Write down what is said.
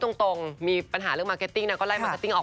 ตอนที่ปูถูก